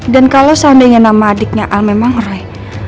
dan kalau seandainya nama adiknya al memang roy